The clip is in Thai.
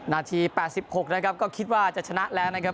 นาที๘๖นะครับก็คิดว่าจะชนะแล้วนะครับ